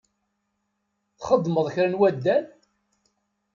Txeddmeḍ kra n waddal?